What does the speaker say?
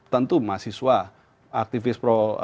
tentu masiswa aktivis